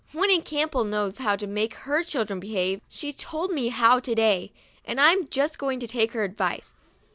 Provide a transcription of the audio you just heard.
" Winnie Campbell knows how to make her children behave. She told me how, to day, and I'm just going to take her advice."